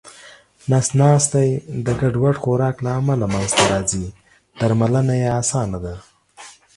نس ناستی د ګډوډ خوراک له امله منځته راځې درملنه یې اسانه ده